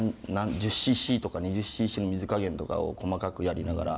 １０ｃｃとか２０ｃｃの水加減とかを細かくやりながら。